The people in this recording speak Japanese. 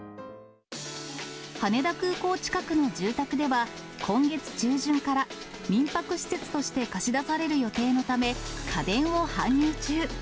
羽田空港近くの住宅では、今月中旬から民泊施設として貸し出される予定のため、家電を搬入中。